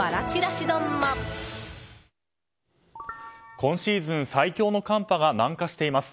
今シーズン最強の寒波が南下しています。